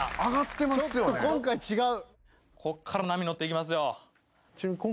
ちょっと今回違う。